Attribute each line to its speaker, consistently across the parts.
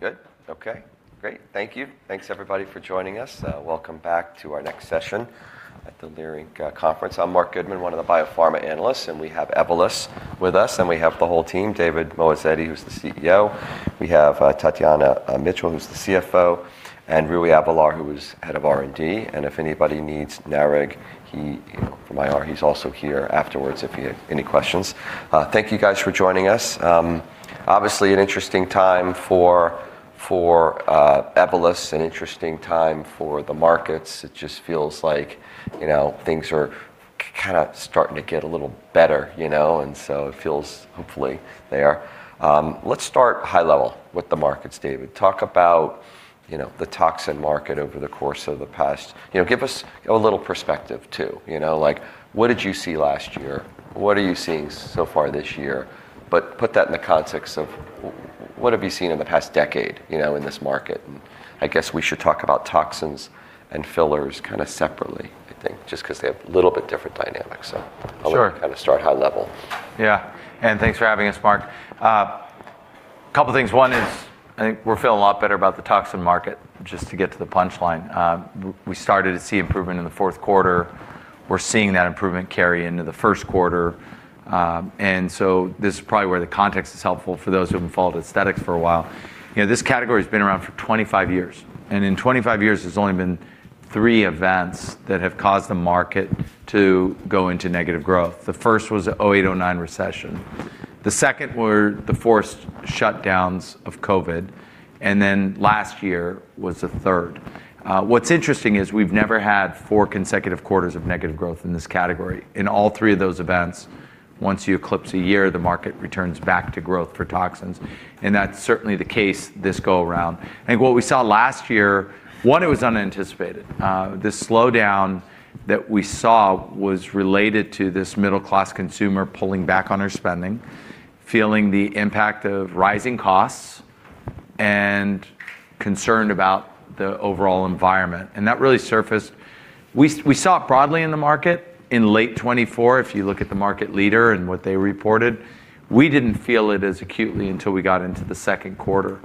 Speaker 1: Good. Okay, great. Thank you. Thanks everybody for joining us. Welcome back to our next session at the Leerink Conference. I'm Marc Goodman, one of the biopharma analysts, and we have Evolus with us. We have the whole team, David Moatazedi, who's the CEO, we have Tatjana Mitchell, who's the CFO, and Rui Avelar, who is head of R&D. If anybody needs Nareg, he, you know, from IR, he's also here afterwards if you have any questions. Thank you guys for joining us. Obviously an interesting time for Evolus, an interesting time for the markets. It just feels like, you know, things are kind of starting to get a little better, you know? It feels hopefully they are. Let's start high level with the markets, David. Talk about, you know, the toxin market over the course of the past. You know, give us a little perspective too. You know, like, what did you see last year? What are you seeing so far this year? Put that in the context of what have you seen in the past decade, you know, in this market? I guess we should talk about toxins and fillers kind of separately, I think, just 'cause they have a little bit different dynamics.
Speaker 2: Sure
Speaker 1: I'll let you kind of start high level.
Speaker 2: Yeah. Thanks for having us, Mark. Couple things. One is I think we're feeling a lot better about the toxin market, just to get to the punchline. We started to see improvement in the fourth quarter. We're seeing that improvement carry into the first quarter. This is probably where the context is helpful for those who haven't followed aesthetics for a while. You know, this category's been around for 25 years, and in 25 years there's only been three events that have caused the market to go into negative growth. The first was the 2008-2009 recession. The second were the forced shutdowns of COVID, and then last year was the third. What's interesting is we've never had four consecutive quarters of negative growth in this category. In all three of those events, once you eclipse a year, the market returns back to growth for toxins, and that's certainly the case this go around. I think what we saw last year, one, it was unanticipated. The slowdown that we saw was related to this middle-class consumer pulling back on their spending, feeling the impact of rising costs, and concerned about the overall environment, and that really surfaced. We saw it broadly in the market in uncertain if you look at the market leader and what they reported. We didn't feel it as acutely until we got into the second quarter.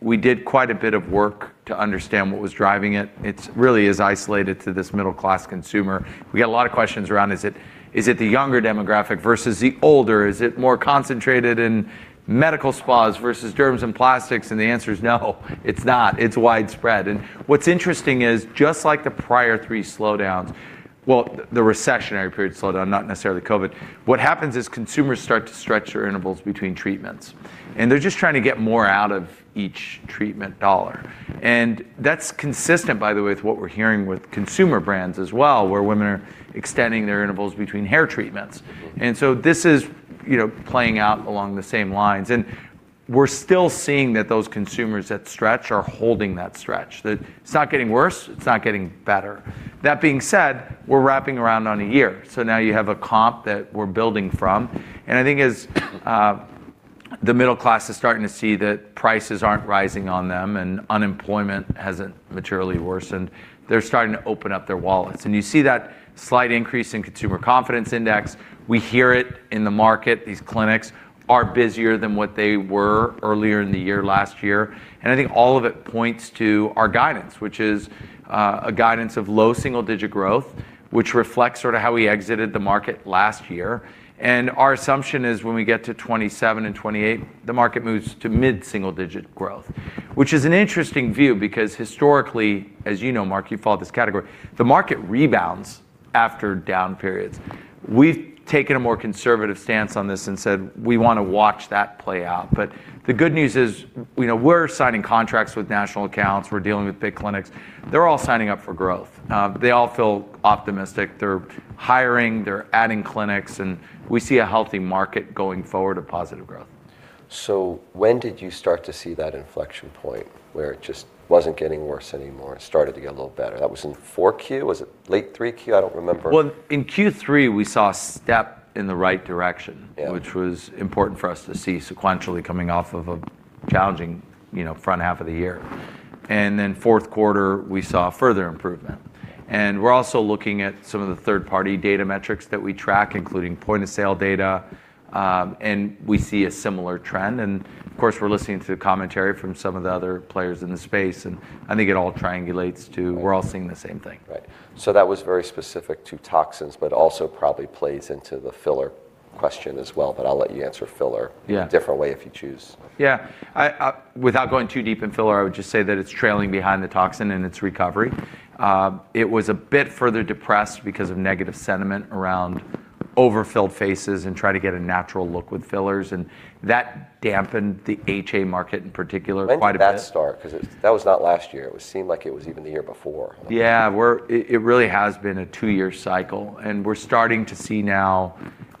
Speaker 2: We did quite a bit of work to understand what was driving it. It's really isolated to this middle-class consumer. We get a lot of questions around, is it the younger demographic versus the older? Is it more concentrated in medical spas versus derms and plastics? The answer is no, it's not. It's widespread. What's interesting is just like the prior three slowdowns, well, the recessionary period slowdown, not necessarily COVID, what happens is consumers start to stretch their intervals between treatments, and they're just trying to get more out of each treatment dollar. That's consistent, by the way, with what we're hearing with consumer brands as well, where women are extending their intervals between hair treatments.
Speaker 1: Mm-hmm.
Speaker 2: This is, you know, playing out along the same lines. We're still seeing that those consumers that stretch are holding that stretch. It's not getting worse, it's not getting better. That being said, we're wrapping around on a year, so now you have a comp that we're building from. I think as, the middle class is starting to see that prices aren't rising on them and unemployment hasn't materially worsened, they're starting to open up their wallets, and you see that slight increase in Consumer Confidence Index. We hear it in the market. These clinics are busier than what they were earlier in the year last year. I think all of it points to our guidance, which is, a guidance of low single digit growth, which reflects sort of how we exited the market last year. Our assumption is when we get to 2027 and 2028, the market moves to mid single digit growth, which is an interesting view because historically, as you know Marc, you follow this category, the market rebounds after down periods. We've taken a more conservative stance on this and said we wanna watch that play out. The good news is we know we're signing contracts with national accounts, we're dealing with big clinics. They're all signing up for growth. They all feel optimistic. They're hiring, they're adding clinics, and we see a healthy market going forward of positive growth.
Speaker 1: When did you start to see that inflection point where it just wasn't getting worse anymore, it started to get a little better? That was in 4Q? Was it late 3Q? I don't remember.
Speaker 2: Well, in Q3 we saw a step in the right direction.
Speaker 1: Yeah...
Speaker 2: which was important for us to see sequentially coming off of a challenging, you know, front half of the year. In fourth quarter we saw further improvement. We're also looking at some of the third party data metrics that we track, including point of sale data, and we see a similar trend. Of course, we're listening to commentary from some of the other players in the space, and I think it all triangulates to we're all seeing the same thing.
Speaker 1: Right. That was very specific to toxins, but also probably plays into the filler question as well, but I'll let you answer filler-
Speaker 2: Yeah
Speaker 1: different way if you choose.
Speaker 2: Yeah. I, without going too deep in filler, I would just say that it's trailing behind the toxin in its recovery. It was a bit further depressed because of negative sentiment around overfilled faces and try to get a natural look with fillers and that dampened the HA market in particular quite a bit.
Speaker 1: When did that start? 'Cause that was not last year. It would seem like it was even the year before.
Speaker 2: It really has been a two-year cycle, and we're starting to see now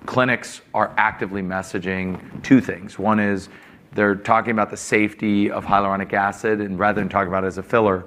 Speaker 2: clinics are actively messaging two things. One is they're talking about the safety of hyaluronic acid, and rather than talking about it as a filler,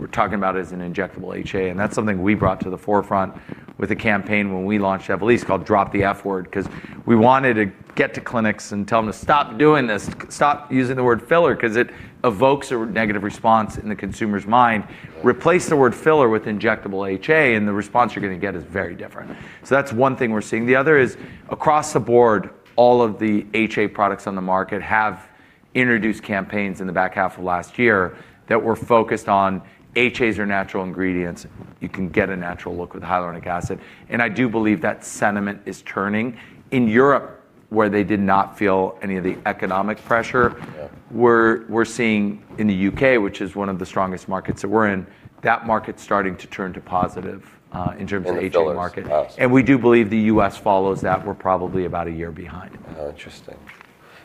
Speaker 2: we're talking about it as an injectable HA. That's something we brought to the forefront with a campaign when we launched Evolysse called Drop the F Word, 'cause we wanted to get to clinics and tell them to stop doing this. Stop using the word filler 'cause it evokes a negative response in the consumer's mind. Replace the word filler with injectable HA, and the response you're gonna get is very different. That's one thing we're seeing. The other is across the board, all of the HA products on the market have introduced campaigns in the back half of last year that were focused on HAs are natural ingredients. You can get a natural look with hyaluronic acid. I do believe that sentiment is turning. In Europe, where they did not feel any of the economic pressure.
Speaker 1: Yeah.
Speaker 2: We're seeing in the U.K., which is one of the strongest markets that we're in, that market's starting to turn to positive in terms of the HA market.
Speaker 1: In the fillers, absolutely.
Speaker 2: We do believe the U.S. follows that. We're probably about a year behind.
Speaker 1: Oh, interesting.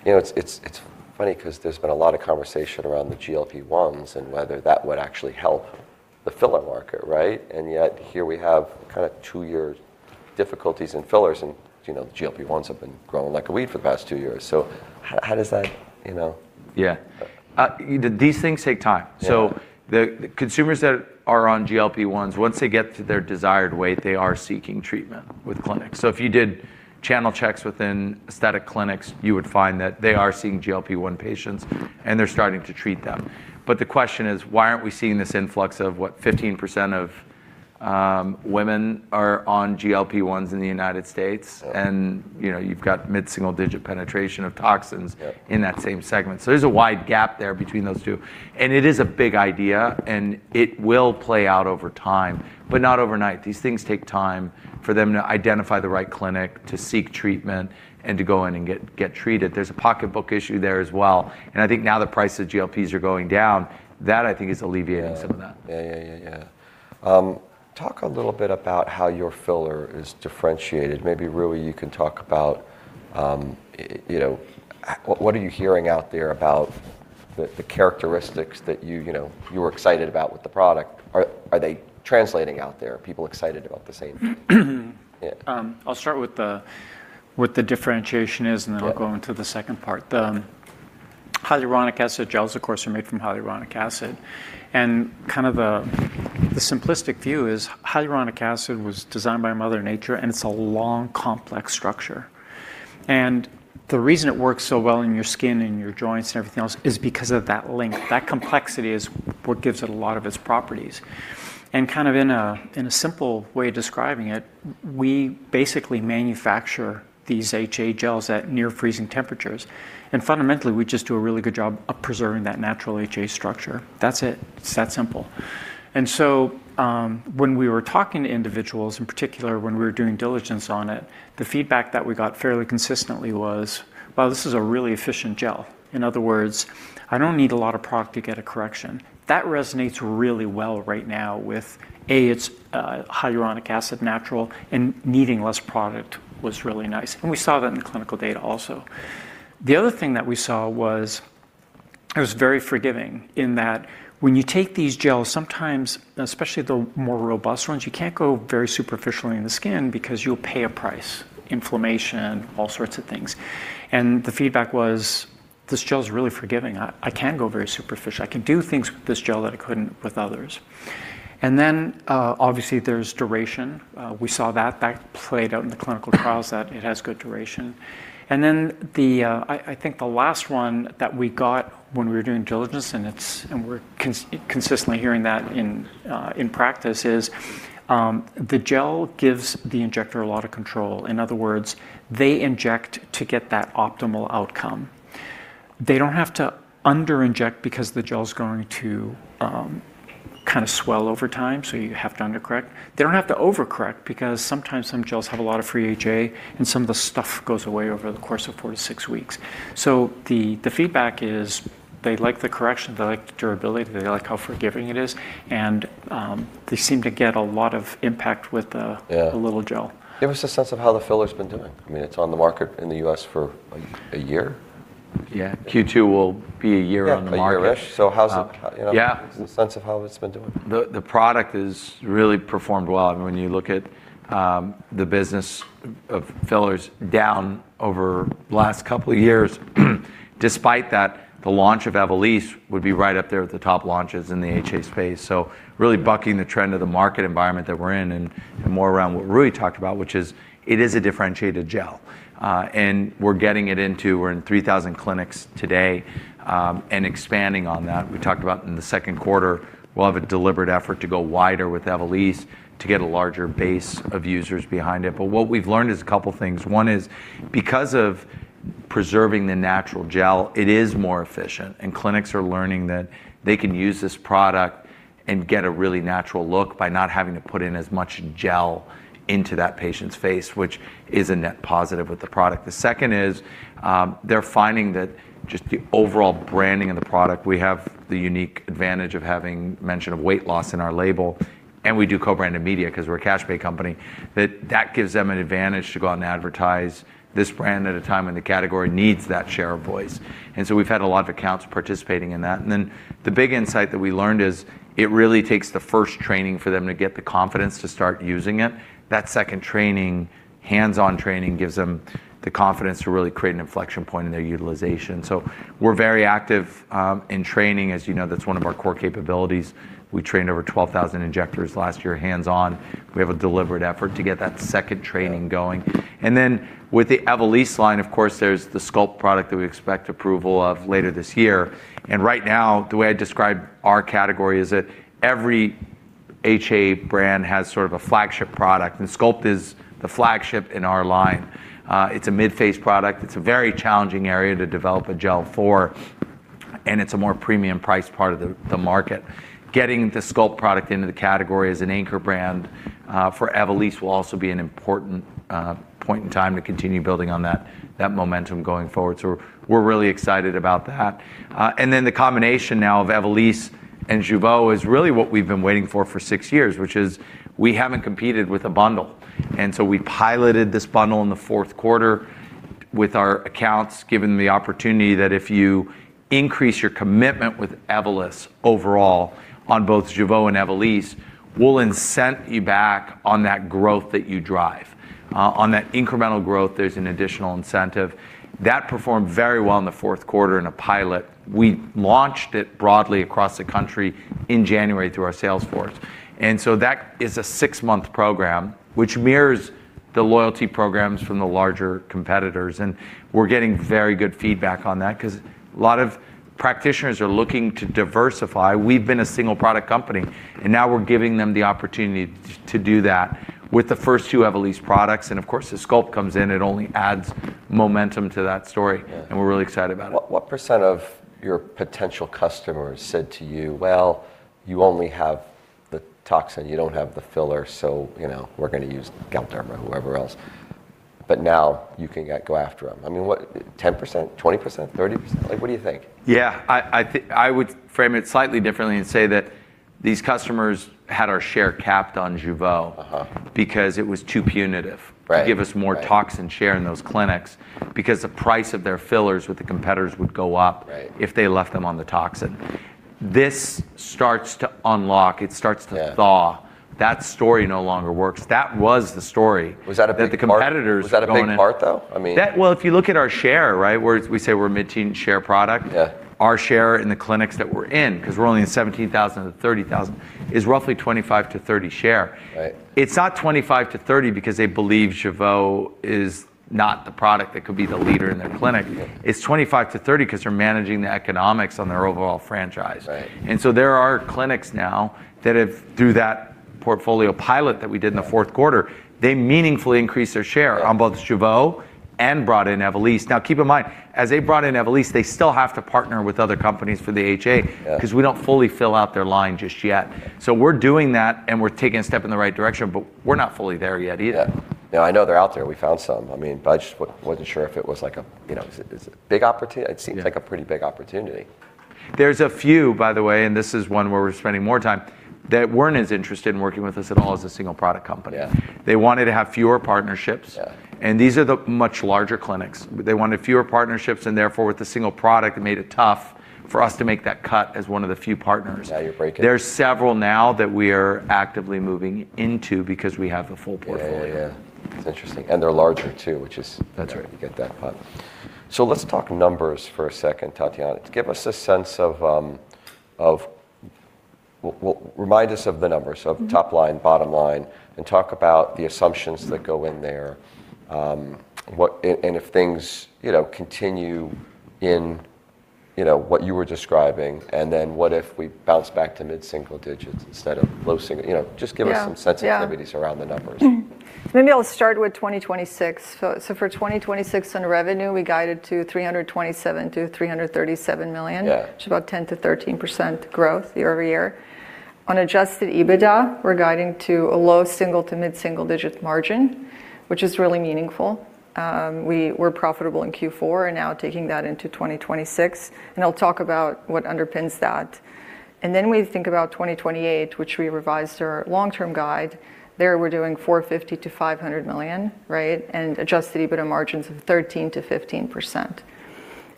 Speaker 1: You know, it's funny 'cause there's been a lot of conversation around the GLP-1s and whether that would actually help the filler market, right? Yet, here we have kind of two years difficulties in fillers and, you know, the GLP-1s have been growing like a weed for the past two years. How does that, you know-
Speaker 2: Yeah. These things take time.
Speaker 1: Yeah.
Speaker 2: The consumers that are on GLP-1s, once they get to their desired weight, they are seeking treatment with clinics. If you did channel checks within aesthetic clinics, you would find that they are seeing GLP-1 patients and they're starting to treat them. The question is, why aren't we seeing this influx of what 15% of women are on GLP-1s in the United States?
Speaker 1: Yeah.
Speaker 2: you know, you've got mid-single digit penetration of toxins.
Speaker 1: Yeah
Speaker 2: in that same segment. There's a wide gap there between those two. It is a big idea, and it will play out over time, but not overnight. These things take time for them to identify the right clinic, to seek treatment, and to go in and get treated. There's a pocketbook issue there as well, and I think now the price of GLPs are going down. That I think is alleviating some of that.
Speaker 1: Yeah. Talk a little bit about how your filler is differentiated. Maybe Rui, you can talk about, you know, what are you hearing out there about the characteristics that you know, you're excited about with the product? Are they translating out there? Are people excited about the same thing? Yeah.
Speaker 3: I'll start with what the differentiation is.
Speaker 1: Yeah
Speaker 3: I'll go into the second part. The hyaluronic acid gels, of course, are made from hyaluronic acid. Kind of the simplistic view is hyaluronic acid was designed by Mother Nature and it's a long, complex structure. The reason it works so well in your skin and your joints and everything else is because of that length. That complexity is what gives it a lot of its properties. Kind of in a simple way of describing it, we basically manufacture these HA gels at near freezing temperatures. Fundamentally, we just do a really good job of preserving that natural HA structure. That's it. It's that simple. When we were talking to individuals, in particular, when we were doing diligence on it, the feedback that we got fairly consistently was, "Wow, this is a really efficient gel." In other words, I don't need a lot of product to get a correction. That resonates really well right now with, A, it's hyaluronic acid natural, and needing less product was really nice. We saw that in the clinical data also. The other thing that we saw was it was very forgiving in that when you take these gels, sometimes, especially the more robust ones, you can't go very superficially in the skin because you'll pay a price, inflammation, all sorts of things. The feedback was, "This gel's really forgiving. I can go very superficial. I can do things with this gel that I couldn't with others." Then, obviously, there's duration. We saw that that played out in the clinical trials that it has good duration. I think the last one that we got when we were doing diligence, and we're consistently hearing that in practice is the gel gives the injector a lot of control. In other words, they inject to get that optimal outcome. They don't have to under-inject because the gel's going to kind of swell over time, so you have to under-correct. They don't have to over-correct because sometimes some gels have a lot of free HA and some of the stuff goes away over the course of four to six weeks. The feedback is they like the correction, they like the durability, they like how forgiving it is, and they seem to get a lot of impact with the-
Speaker 1: Yeah
Speaker 3: the little gel.
Speaker 1: Give us a sense of how the filler's been doing. I mean, it's on the market in the U.S. for, like, a year.
Speaker 2: Yeah. Q2 will be a year on the market.
Speaker 1: Yeah, a year-ish. How's it, you know?
Speaker 2: Yeah
Speaker 1: Give us a sense of how it's been doing.
Speaker 2: The product has really performed well. When you look at the business of fillers down over the last couple of years, despite that, the launch of Evolysse would be right up there with the top launches in the HA space. Really bucking the trend of the market environment that we're in and more around what Rui talked about, which is it is a differentiated gel. We're in 3,000 clinics today and expanding on that. We talked about in the second quarter, we'll have a deliberate effort to go wider with Evolysse to get a larger base of users behind it. What we've learned is a couple things. One is because of preserving the natural gel, it is more efficient, and clinics are learning that they can use this product and get a really natural look by not having to put in as much gel into that patient's face, which is a net positive with the product. The second is, they're finding that just the overall branding of the product, we have the unique advantage of having mention of weight loss in our label, and we do co-branded media 'cause we're a cash-pay company, that gives them an advantage to go out and advertise this brand at a time when the category needs that share of voice. The big insight that we learned is it really takes the first training for them to get the confidence to start using it. That second training, hands-on training, gives them the confidence to really create an inflection point in their utilization. We're very active in training. As you know, that's one of our core capabilities. We trained over 12,000 injectors last year hands-on. We have a deliberate effort to get that second training going. With the Evolysse line, of course, there's the Sculpt product that we expect approval of later this year. Right now, the way I describe our category is that every HA brand has sort of a flagship product, and Sculpt is the flagship in our line. It's a mid-face product. It's a very challenging area to develop a gel for. It's a more premium price part of the market. Getting the Sculpt product into the category as an anchor brand for Evolysse will also be an important point in time to continue building on that momentum going forward. We're really excited about that. The combination now of Evolysse and Jeuveau is really what we've been waiting for six years, which is we haven't competed with a bundle. We piloted this bundle in the fourth quarter with our accounts, giving them the opportunity that if you increase your commitment with Evolysse overall on both Jeuveau and Evolysse, we'll incent you back on that growth that you drive. On that incremental growth, there's an additional incentive. That performed very well in the fourth quarter in a pilot. We launched it broadly across the country in January through our sales force. That is a six-month program which mirrors the loyalty programs from the larger competitors. We're getting very good feedback on that 'cause a lot of practitioners are looking to diversify. We've been a single-product company, and now we're giving them the opportunity to do that with the first two Evolysse products. Of course, as Sculpt comes in, it only adds momentum to that story.
Speaker 1: Yeah.
Speaker 2: We're really excited about it.
Speaker 1: What percent of your potential customers said to you, "Well, you only have the toxin, you don't have the filler, so, you know, we're gonna use Galderma," whoever else. Now you can go after them. I mean, what, 10%, 20%, 30%? Like, what do you think?
Speaker 2: Yeah. I would frame it slightly differently and say that these customers had our share capped on Jeuveau.
Speaker 1: Uh-huh
Speaker 2: because it was too punitive.
Speaker 1: Right.
Speaker 2: To give us more toxin share in those clinics because the price of their fillers with the competitors would go up.
Speaker 1: Right
Speaker 2: If they left them on the toxin. This starts to unlock.
Speaker 1: Yeah
Speaker 2: Thaw. That story no longer works. That was the story.
Speaker 1: Was that a big part?
Speaker 2: that the competitors going in
Speaker 1: Was that a big part though? I mean.
Speaker 2: Well, if you look at our share, right, we say we're a mid-teen share product.
Speaker 1: Yeah.
Speaker 2: Our share in the clinics that we're in, 'cause we're only in 17,000-30,000, is roughly 25%-30% share.
Speaker 1: Right.
Speaker 2: It's not 25-30 because they believe Jeuveau is not the product that could be the leader in their clinic.
Speaker 1: Yeah.
Speaker 2: It's 25-30 'cause they're managing the economics on their overall franchise.
Speaker 1: Right.
Speaker 2: There are clinics now that have, through that portfolio pilot that we did.
Speaker 1: Yeah
Speaker 2: In the fourth quarter, they meaningfully increased their share.
Speaker 1: Yeah
Speaker 2: on both Jeuveau and brought in Evolysse. Now, keep in mind, as they brought in Evolysse, they still have to partner with other companies for the HA-
Speaker 1: Yeah
Speaker 2: 'Cause we don't fully fill out their line just yet.
Speaker 1: Yeah.
Speaker 2: We're doing that, and we're taking a step in the right direction, but we're not fully there yet either.
Speaker 1: Yeah. No, I know they're out there. We found some. I mean, but I just wasn't sure if it was like a, you know, is it a big opportunity. It seems.
Speaker 2: Yeah
Speaker 1: Like a pretty big opportunity.
Speaker 2: There's a few, by the way, and this is one where we're spending more time, that weren't as interested in working with us at all as a single-product company.
Speaker 1: Yeah.
Speaker 2: They wanted to have fewer partnerships.
Speaker 1: Yeah.
Speaker 2: These are the much larger clinics. They wanted fewer partnerships, and therefore, with a single product, it made it tough for us to make that cut as one of the few partners.
Speaker 1: Now you're breaking in.
Speaker 2: There's several now that we are actively moving into because we have the full portfolio.
Speaker 1: Yeah, yeah. That's interesting. They're larger too, which is-
Speaker 2: That's right.
Speaker 1: Great to get that part. Let's talk numbers for a second, Tatjana, to give us a sense of, remind us of the numbers.
Speaker 4: Mm-hmm...
Speaker 1: of top line, bottom line, and talk about the assumptions that go in there. If things, you know, continue in, you know, what you were describing, and then what if we bounce back to mid-single digits instead of low single. You know, just give us.
Speaker 4: Yeah. Yeah
Speaker 1: Some sensitivities around the numbers.
Speaker 4: Maybe I'll start with 2026. For 2026 on revenue, we guided to $327 million-$337 million.
Speaker 1: Yeah.
Speaker 4: Which is about 10%-13% growth year-over-year. On adjusted EBITDA, we're guiding to a low single- to mid-single-digit margin, which is really meaningful. We were profitable in Q4 and now taking that into 2026, and I'll talk about what underpins that. Then we think about 2028, which we revised our long-term guide. There, we're doing $450 million-$500 million, right? Adjusted EBITDA margins of 13%-15%.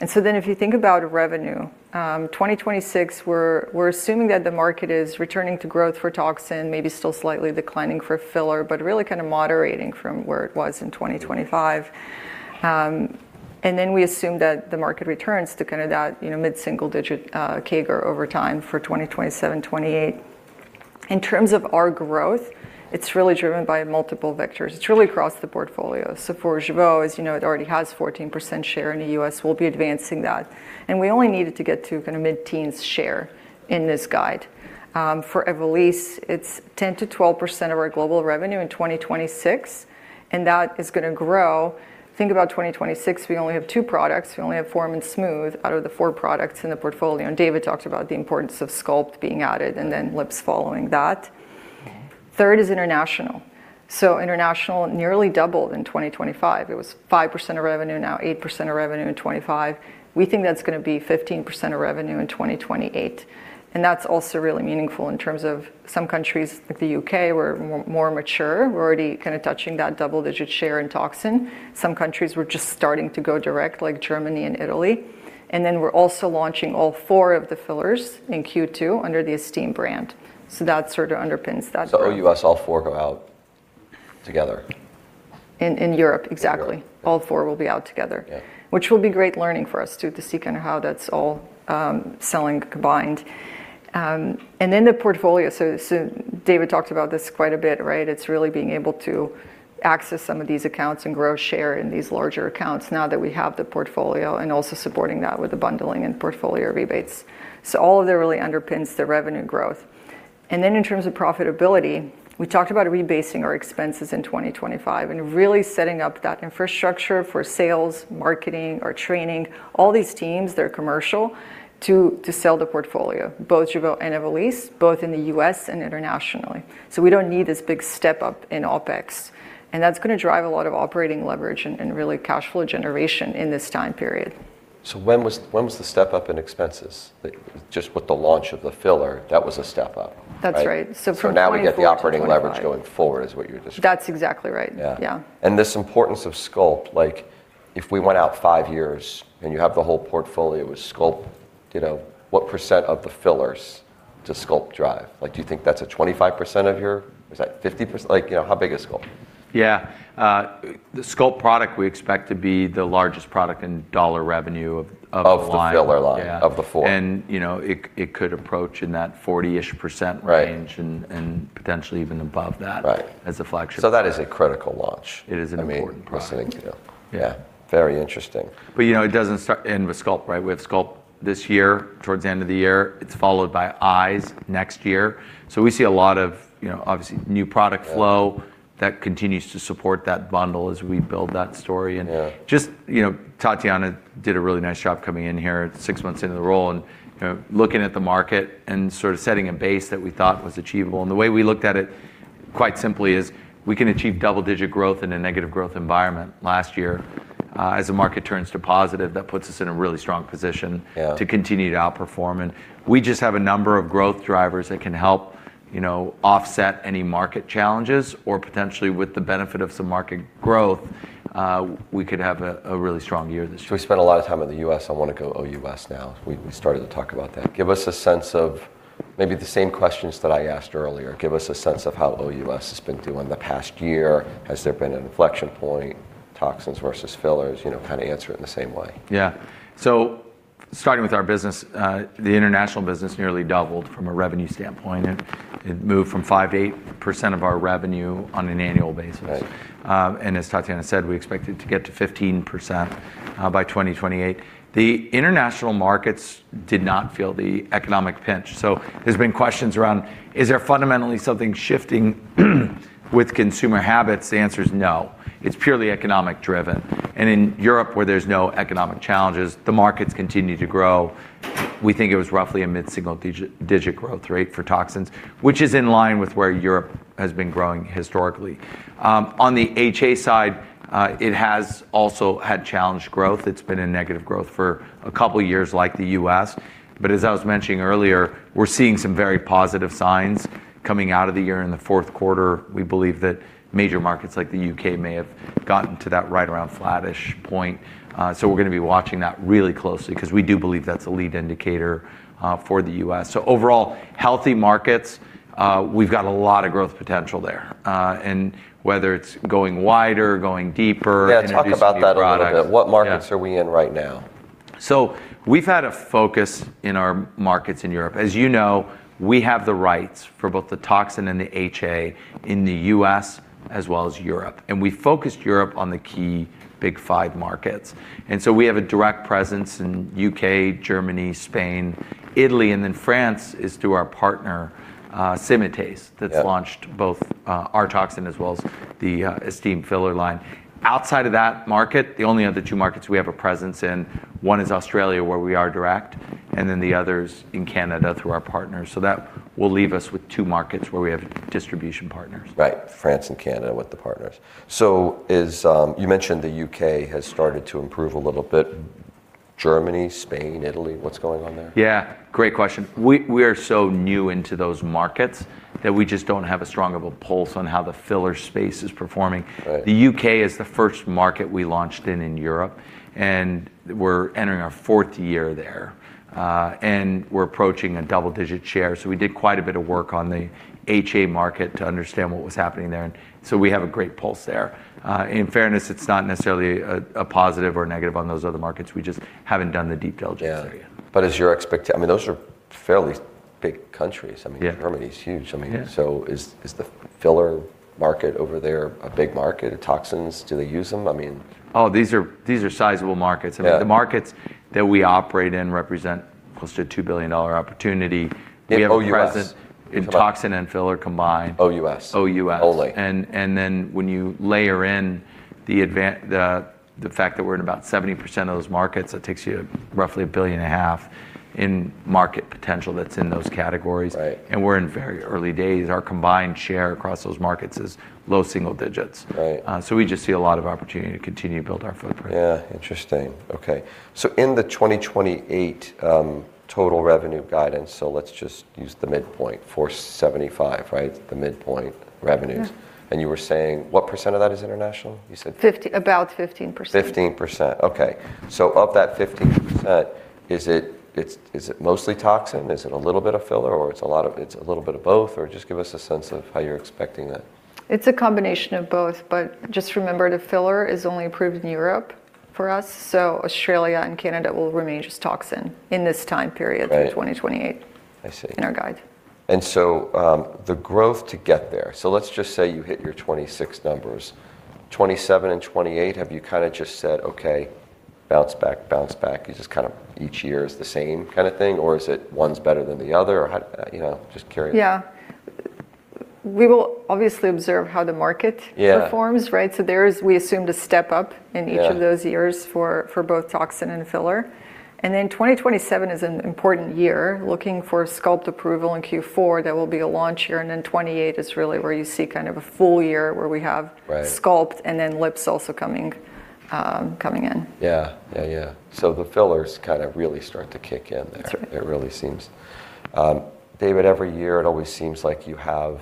Speaker 4: If you think about revenue, 2026 we're assuming that the market is returning to growth for toxin, maybe still slightly declining for filler, but really kind of moderating from where it was in 2025. We assume that the market returns to kind of that, you know, mid-single-digit CAGR over time for 2027, 2028. In terms of our growth, it's really driven by multiple vectors. It's really across the portfolio. For Jeuveau, as you know, it already has 14% share in the U.S. We'll be advancing that. We only need it to get to kinda mid-teens share in this guide. For Evolysse, it's 10%-12% of our global revenue in 2026, and that is gonna grow. Think about 2026, we only have two products. We only have Form and Smooth out of the four products in the portfolio, and David talked about the importance of Sculpt being added, and then lips following that. Third is international. International nearly doubled in 2025. It was 5% of revenue, now 8% of revenue in 2025. We think that's gonna be 15% of revenue in 2028, and that's also really meaningful in terms of some countries like the U.K., we're more mature. We're already kinda touching that double-digit share in toxin. Some countries we're just starting to go direct, like Germany and Italy. Then we're also launching all four of the fillers in Q2 under the Estyme brand. That sort of underpins that growth.
Speaker 1: OUS all four go out together.
Speaker 4: In Europe, exactly.
Speaker 1: In Europe.
Speaker 4: All four will be out together.
Speaker 1: Yeah.
Speaker 4: Which will be great learning for us too, to see kinda how that's all selling combined. Then the portfolio, so David talked about this quite a bit, right? It's really being able to access some of these accounts and grow share in these larger accounts now that we have the portfolio, and also supporting that with the bundling and portfolio rebates. All of that really underpins the revenue growth. In terms of profitability, we talked about rebasing our expenses in 2025 and really setting up that infrastructure for sales, marketing or training all these teams that are commercial to sell the portfolio, both Jeuveau and Evolysse, both in the U.S. and internationally. We don't need this big step up in OpEx. That's going to drive a lot of operating leverage and really cash flow generation in this time period.
Speaker 1: When was the step-up in expenses? Just with the launch of the filler, that was a step up.
Speaker 4: That's right. From 2024 to 2025.
Speaker 1: Now we get the operating leverage going forward is what you're describing.
Speaker 4: That's exactly right.
Speaker 1: Yeah.
Speaker 4: Yeah.
Speaker 1: This importance of Sculpt, like if we went out five years and you have the whole portfolio with Sculpt, you know, what percent of the fillers does Sculpt drive? Like do you think that's a 25% of your-- Is that 50%? Like, you know, how big is Sculpt?
Speaker 2: Yeah. The Sculpt product we expect to be the largest product in dollar revenue of the line.
Speaker 1: Of the filler line.
Speaker 2: Yeah.
Speaker 1: Of the four.
Speaker 2: You know, it could approach in that 40-ish% range.
Speaker 1: Right
Speaker 2: Potentially even above that.
Speaker 1: Right
Speaker 2: as a flagship.
Speaker 1: That is a critical launch.
Speaker 2: It is an important product.
Speaker 1: I mean, listening to you.
Speaker 2: Yeah.
Speaker 1: Very interesting.
Speaker 2: You know, it doesn't end with Sculpt, right? We have Sculpt this year towards the end of the year. It's followed by eyes next year. We see a lot of, you know, obviously new product flow.
Speaker 1: Yeah
Speaker 2: that continues to support that bundle as we build that story.
Speaker 1: Yeah.
Speaker 2: Just, you know, Tatjana did a really nice job coming in here six months into the role and, you know, looking at the market and sort of setting a base that we thought was achievable. The way we looked at it quite simply is we can achieve double-digit growth in a negative growth environment last year. As the market turns to positive, that puts us in a really strong position.
Speaker 1: Yeah
Speaker 2: To continue to outperform. We just have a number of growth drivers that can help, you know, offset any market challenges or potentially with the benefit of some market growth, we could have a really strong year this year.
Speaker 1: We spent a lot of time in the U.S. I want to go OUS now. We started to talk about that. Give us a sense of maybe the same questions that I asked earlier. Give us a sense of how OUS has been doing the past year. Has there been an inflection point, toxins versus fillers? You know, kind of answer it in the same way.
Speaker 2: Starting with our business, the international business nearly doubled from a revenue standpoint. It moved from 5%-8% of our revenue on an annual basis.
Speaker 1: Right.
Speaker 2: As Tatjana said, we expect it to get to 15% by 2028. The international markets did not feel the economic pinch. There's been questions around is there fundamentally something shifting with consumer habits? The answer is no. It's purely economic driven. In Europe, where there's no economic challenges, the markets continue to grow. We think it was roughly a mid-single-digit growth rate for toxins, which is in line with where Europe has been growing historically. On the HA side, it has also had challenged growth. It's been in negative growth for a couple of years like the US. As I was mentioning earlier, we're seeing some very positive signs coming out of the year in the fourth quarter. We believe that major markets like the UK may have gotten to that right around flattish point. We're going to be watching that really closely because we do believe that's a lead indicator for the U.S. Overall, healthy markets, we've got a lot of growth potential there. Whether it's going wider or going deeper, introducing new products.
Speaker 1: Yeah, talk about that a little bit.
Speaker 2: Yeah.
Speaker 1: What markets are we in right now?
Speaker 2: We've had a focus in our markets in Europe. As you know, we have the rights for both the toxin and the HA in the U.S. as well as Europe. We focused on Europe on the key big five markets. We have a direct presence in U.K., Germany, Spain, Italy, and then France is through our partner, Symatese.
Speaker 1: Yeah
Speaker 2: That's launched both our toxin as well as the ESTYME filler line. Outside of that market, the only other two markets we have a presence in, one is Australia where we are direct, and then the other's in Canada through our partners. That will leave us with two markets where we have distribution partners.
Speaker 1: Right. France and Canada with the partners. As you mentioned, the UK has started to improve a little bit. Germany, Spain, Italy, what's going on there?
Speaker 2: Yeah. Great question. We are so new into those markets that we just don't have as strong of a pulse on how the filler space is performing.
Speaker 1: Right.
Speaker 2: The U.K. is the first market we launched in Europe, and we're entering our fourth year there. We're approaching a double-digit share. We did quite a bit of work on the HA market to understand what was happening there, and so we have a great pulse there. In fairness, it's not necessarily a positive or negative on those other markets. We just haven't done the deep dive just yet.
Speaker 1: Yeah. I mean, those are fairly big countries. I mean.
Speaker 2: Yeah
Speaker 1: Germany is huge. I mean
Speaker 2: Yeah
Speaker 1: Is the filler market over there a big market? Toxins, do they use them? I mean
Speaker 2: Oh, these are sizable markets.
Speaker 1: Yeah.
Speaker 2: I mean, the markets that we operate in represent close to a $2 billion opportunity. We have a presence.
Speaker 1: In OUS ...
Speaker 2: in toxin and filler combined.
Speaker 1: OUS.
Speaker 2: OUS.
Speaker 1: Only.
Speaker 2: when you layer in the fact that we're in about 70% of those markets, it takes you to roughly $1.5 billion in market potential that's in those categories.
Speaker 1: Right.
Speaker 2: We're in very early days. Our combined share across those markets is low single digits.
Speaker 1: Right.
Speaker 2: We just see a lot of opportunity to continue to build our footprint.
Speaker 1: Yeah. Interesting. Okay. In the 2028 total revenue guidance, let's just use the midpoint, $475, right? The midpoint revenues.
Speaker 4: Yeah.
Speaker 1: You were saying what % of that is international?
Speaker 4: 50. About 15%.
Speaker 1: 15%. Okay. Of that 15%, is it mostly toxin? Is it a little bit of filler or it's a little bit of both? Or just give us a sense of how you're expecting that.
Speaker 4: It's a combination of both, but just remember the filler is only approved in Europe for us, so Australia and Canada will remain just toxin in this time period.
Speaker 1: Right
Speaker 4: through 2028
Speaker 1: I see.
Speaker 4: in our guide.
Speaker 1: The growth to get there, so let's just say you hit your 2026 numbers, 2027 and 2028, have you kind of just said, "Okay, bounce back," you just kind of each year is the same kind of thing? Or is it one's better than the other? Or how, you know, just curious.
Speaker 4: Yeah. We will obviously observe how the market.
Speaker 1: Yeah
Speaker 4: performs, right? There is, we assume, a step up.
Speaker 1: Yeah
Speaker 4: in each of those years for both toxin and filler. 2027 is an important year, looking for Sculpt approval in Q4. That will be a launch year, and then 2028 is really where you see kind of a full year where we have.
Speaker 1: Right
Speaker 4: Sculpt and then Lips also coming in.
Speaker 1: Yeah. The fillers kind of really start to kick in there.
Speaker 4: That's right.
Speaker 1: It really seems. David, every year it always seems like you have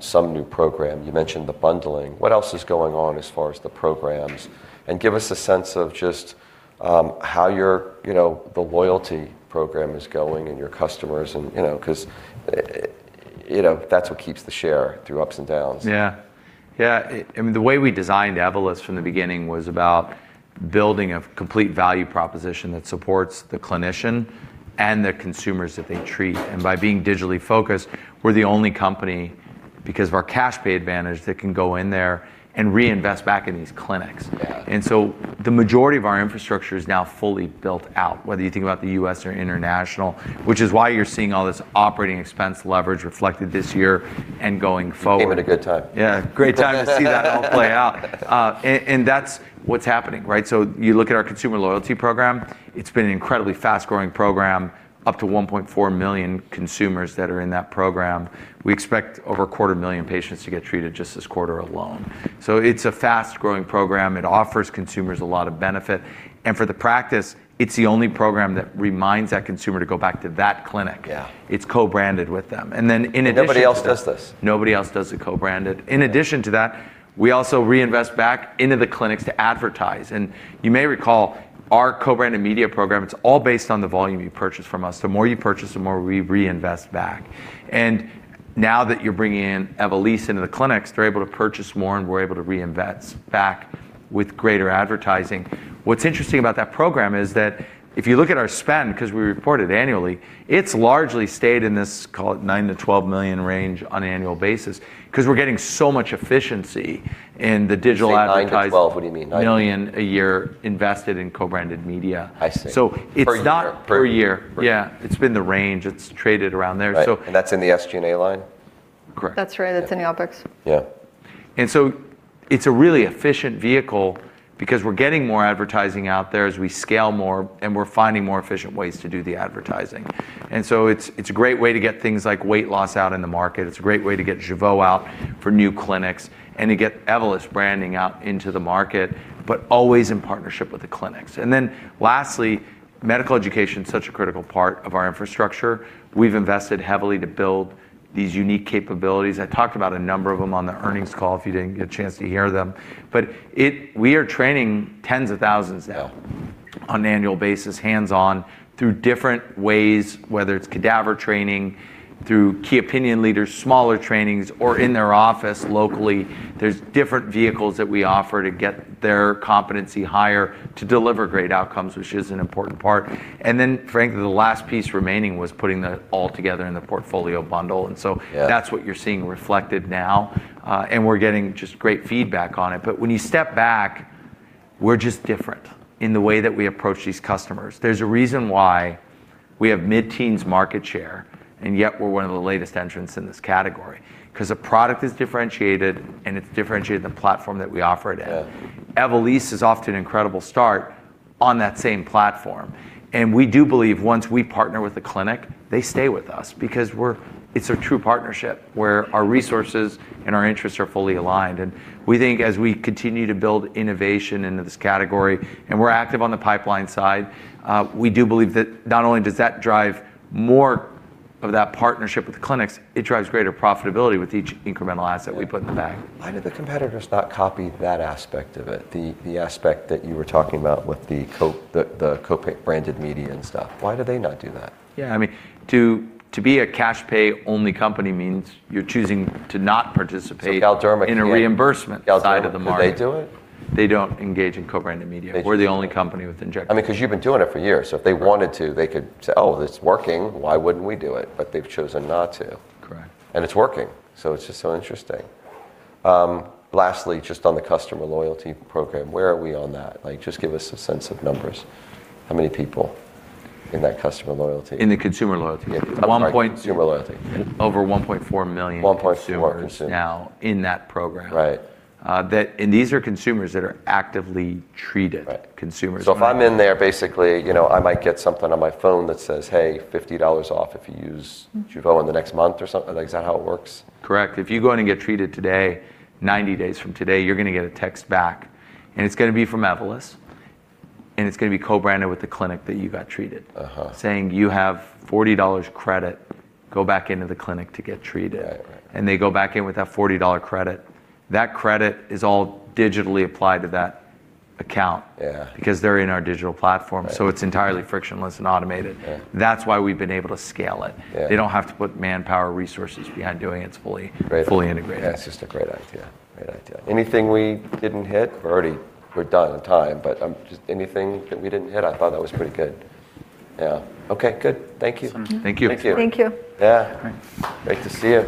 Speaker 1: some new program. You mentioned the bundling. What else is going on as far as the programs, and give us a sense of just how your, you know, the loyalty program is going and your customers and, you know, 'cause you know, that's what keeps the share through ups and downs.
Speaker 2: Yeah. Yeah, I mean, the way we designed Evolus from the beginning was about building a complete value proposition that supports the clinician and the consumers that they treat. By being digitally focused, we're the only company, because of our cash-pay advantage, that can go in there and reinvest back in these clinics.
Speaker 1: Yeah.
Speaker 2: The majority of our infrastructure is now fully built out, whether you think about the U.S. or international, which is why you're seeing all this operating expense leverage reflected this year and going forward.
Speaker 1: You came at a good time.
Speaker 2: Yeah, great time to see that all play out. That's what's happening, right? You look at our consumer loyalty program, it's been an incredibly fast-growing program, up to 1.4 million consumers that are in that program. We expect over a quarter million patients to get treated just this quarter alone. It's a fast-growing program. It offers consumers a lot of benefit. For the practice, it's the only program that reminds that consumer to go back to that clinic.
Speaker 1: Yeah.
Speaker 2: It's co-branded with them. Then in addition to that.
Speaker 1: Nobody else does this?
Speaker 2: Nobody else does it co-branded.
Speaker 1: Yeah.
Speaker 2: In addition to that, we also reinvest back into the clinics to advertise. You may recall our co-branded media program, it's all based on the volume you purchase from us. The more you purchase, the more we reinvest back. Now that you're bringing in Evolysse into the clinics, they're able to purchase more and we're able to reinvest back with greater advertising. What's interesting about that program is that if you look at our spend, because we report it annually, it's largely stayed in this, call it $9 million-$12 million range on an annual basis, 'cause we're getting so much efficiency in the digital advertising.
Speaker 1: You say 9 to 12, what do you mean?
Speaker 2: million a year invested in co-branded media.
Speaker 1: I see.
Speaker 2: So it's not-
Speaker 1: Per year.
Speaker 2: Per year.
Speaker 1: Right.
Speaker 2: Yeah. It's been the range. It's traded around there.
Speaker 1: Right.
Speaker 2: So-
Speaker 1: That's in the SG&A line?
Speaker 2: Correct.
Speaker 4: That's right. That's in the OpEx.
Speaker 1: Yeah.
Speaker 2: It's a really efficient vehicle because we're getting more advertising out there as we scale more, and we're finding more efficient ways to do the advertising. It's a great way to get things like weight loss out in the market. It's a great way to get Jeuveau out for new clinics, and to get Evolus branding out into the market, but always in partnership with the clinics. Lastly, medical education's such a critical part of our infrastructure. We've invested heavily to build these unique capabilities. I talked about a number of them on the earnings call if you didn't get a chance to hear them. We are training tens of thousands now on an annual basis, hands-on, through different ways, whether it's cadaver training, through key opinion leaders, smaller trainings, or in their office locally. There's different vehicles that we offer to get their competency higher to deliver great outcomes, which is an important part. Frankly, the last piece remaining was putting that all together in the portfolio bundle.
Speaker 1: Yeah
Speaker 2: That's what you're seeing reflected now. We're getting just great feedback on it. When you step back, we're just different in the way that we approach these customers. There's a reason why we have mid-teens market share, and yet we're one of the latest entrants in this category. 'Cause the product is differentiated, and it's differentiated in the platform that we offer it in.
Speaker 1: Yeah.
Speaker 2: Evolysse is off to an incredible start on that same platform. We do believe once we partner with a clinic, they stay with us because we're it's a true partnership where our resources and our interests are fully aligned. We think as we continue to build innovation into this category, and we're active on the pipeline side, we do believe that not only does that drive more of that partnership with the clinics, it drives greater profitability with each incremental asset we put in the bag.
Speaker 1: Why do the competitors not copy that aspect of it? The aspect that you were talking about with the co-branded media and stuff. Why do they not do that?
Speaker 2: Yeah, I mean, to be a cash-pay only company means you're choosing to not participate.
Speaker 1: Galderma can't.
Speaker 2: in a reimbursement side of the market.
Speaker 1: Galderma, do they do it?
Speaker 2: They don't engage in co-branded media.
Speaker 1: They do-
Speaker 2: We're the only company with injectable.
Speaker 1: I mean, 'cause you've been doing it for years, so if they wanted to, they could say, "Oh, well it's working. Why wouldn't we do it?" But they've chosen not to.
Speaker 2: Correct.
Speaker 1: It's working, so it's just so interesting. Lastly, just on the customer loyalty program, where are we on that? Like, just give us a sense of numbers. How many people in that customer loyalty?
Speaker 2: In the consumer loyalty?
Speaker 1: Yeah.
Speaker 2: At one point.
Speaker 1: Sorry, consumer loyalty. Yeah.
Speaker 2: Over 1.4 million
Speaker 1: 1.4 million consumers
Speaker 2: Consumers now in that program.
Speaker 1: Right.
Speaker 2: These are consumers that are actively treated.
Speaker 1: Right
Speaker 2: consumers.
Speaker 1: If I'm in there, basically, you know, I might get something on my phone that says, "Hey, $50 off if you use Jeuveau in the next month" or something, like, is that how it works?
Speaker 2: Correct. If you go in and get treated today, 90 days from today you're gonna get a text back, and it's gonna be from Evolus, and it's gonna be co-branded with the clinic that you got treated.
Speaker 1: Uh-huh.
Speaker 2: Saying, you have $40 credit, go back into the clinic to get treated.
Speaker 1: Right, right.
Speaker 2: They go back in with that $40 credit. That credit is all digitally applied to that account.
Speaker 1: Yeah
Speaker 2: because they're in our digital platform.
Speaker 1: Right.
Speaker 2: It's entirely frictionless and automated.
Speaker 1: Yeah.
Speaker 2: That's why we've been able to scale it.
Speaker 1: Yeah.
Speaker 2: They don't have to put manpower resources behind doing it. It's fully-
Speaker 1: Right
Speaker 2: fully integrated.
Speaker 1: Yeah, it's just a great idea. Great idea. Anything we didn't hit? We're already done on time, but just anything that we didn't hit? I thought that was pretty good. Yeah. Okay. Good. Thank you.
Speaker 4: Mm-hmm.
Speaker 2: Thank you.
Speaker 1: Thank you.
Speaker 4: Thank you.
Speaker 1: Yeah.
Speaker 2: All right.
Speaker 1: Great to see you.